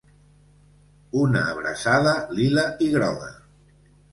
Una abraçada lila i groga!